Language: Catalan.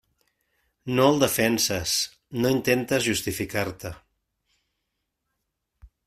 No el defenses, no intentes justificar-te.